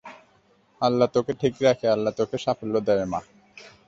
আল্লাহ্ তোকে ঠিক রাখে, আল্লাহ্ তোকে সাফল্য দেয় মা।